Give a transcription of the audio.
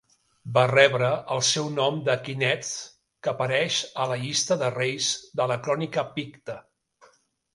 Va rebre el seu nom de Kineth, que apareix a la llista de reis de la Crònica picta.